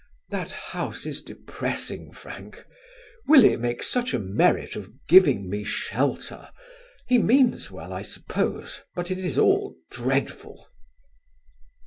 "That house is depressing, Frank. Willie makes such a merit of giving me shelter; he means well, I suppose; but it is all dreadful."